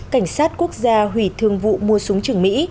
cảnh sát quốc gia hủy thương vụ mua súng trường mỹ